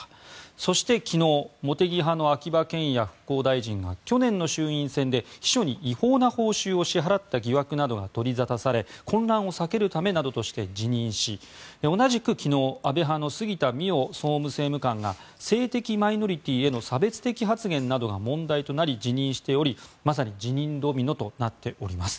そして、昨日茂木派の秋葉賢也復興大臣が去年の衆院選で秘書に違法な報酬を支払った疑惑などが取り沙汰され混乱を避けるためなどとして辞任し同じく昨日、安倍派の杉田水脈総務大臣政務官が性的マイノリティーへの差別的発言などが問題となり辞任しておりまさに辞任ドミノとなっております。